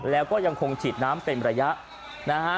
แล้วก็ยังคงฉีดน้ำเป็นระยะนะฮะ